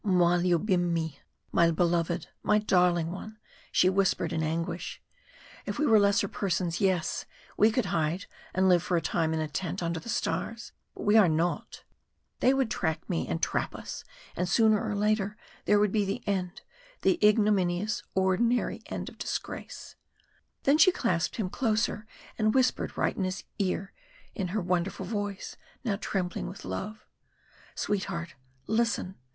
"Moi Lioubimyi My beloved my darling one!" she whispered in anguish. "If we were lesser persons yes, we could hide and live for a time in a tent under the stars but we are not They would track me, and trap us, and sooner or later there would be the end, the ignominious, ordinary end of disgrace " Then she clasped him closer, and whispered right in his ear in her wonderful voice, now trembling with love. "Sweetheart listen!